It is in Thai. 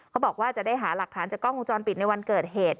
เขาบอกว่าจะได้หาหลักฐานจากกล้องวงจรปิดในวันเกิดเหตุ